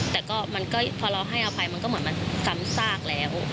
แต่ก็มันก็พอเราให้อภัยมันก็เหมือนมันซ้ำซากแล้ว